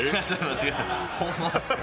ホンマっすか？